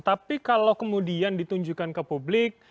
tapi kalau kemudian ditunjukkan ke publik